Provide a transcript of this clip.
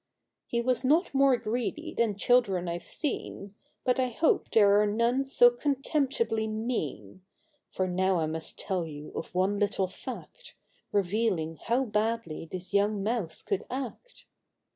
He was not more greedy than children I've seen, But I hope there are none so contemptibly mean, For now I must tell you of one little fact, Bevealing how badly this young Mouse could act.